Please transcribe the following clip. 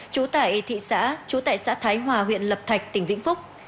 chú tại thị xã thái hòa huyện lập thạch tỉnh vĩnh phúc